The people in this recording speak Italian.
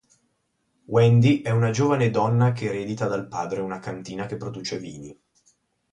Wendy è una giovane donna che eredita dal padre una cantina che produce vini.